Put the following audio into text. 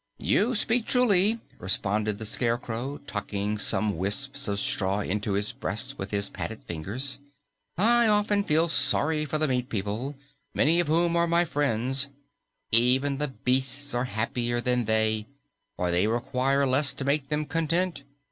"You speak truly," responded the Scarecrow, tucking some wisps of straw into his breast with his padded fingers. "I often feel sorry for the meat people, many of whom are my friends. Even the beasts are happier than they, for they require less to make them content.